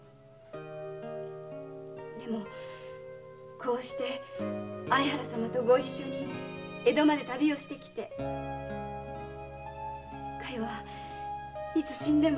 でもこうして相原様とご一緒に江戸まで旅をしてきて加代はいつ死んでも。